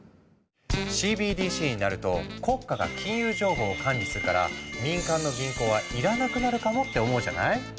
ＣＢＤＣになると国家が金融情報を管理するから民間の銀行は要らなくなるかもって思うじゃない？